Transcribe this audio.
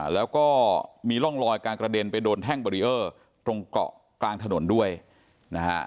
แล้วก็มีร่องรอยการกระเด็นไปโดนแท่งเบรีเออร์ตรงเกาะกลางถนนด้วยนะฮะ